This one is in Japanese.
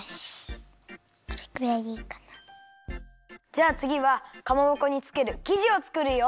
じゃあつぎはかまぼこにつけるきじをつくるよ！